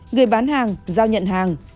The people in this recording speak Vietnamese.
người bán hàng giao nhận hàng